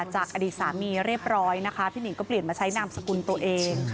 จากอดีตสามีเรียบร้อยนะคะพี่หนิงก็เปลี่ยนมาใช้นามสกุลตัวเอง